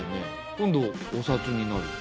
今度お札になる。